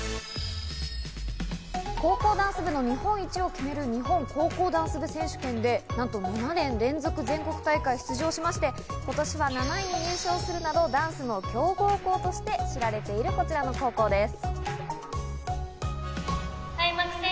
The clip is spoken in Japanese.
高校ダンス部の日本一を決める日本高校ダンス部選手権で、なんと７年連続全国大会出場しまして、今年は７位に入賞するなど、ダンスの強豪校として知られているこちらの高校です。